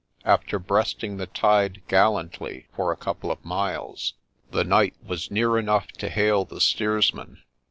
After breasting the tide gallantly for a couple of miles, the knight was near enough to hail the steersman.